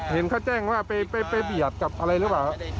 เห็นเขาแจ้งว่าไปเบียดกับอะไรหรือเปล่าครับ